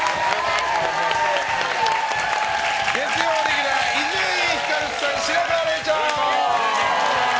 月曜レギュラー伊集院光さん、白河れいちゃん！